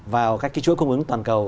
vào các ký chuỗi cung ứng toàn cầu